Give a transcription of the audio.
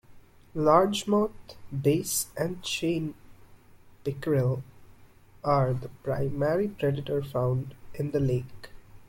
Largemouth bass and chain pickerel are the primary predators found in the lake.